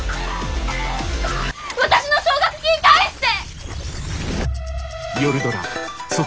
私の奨学金返して！